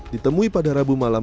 ditemui pada rabu malam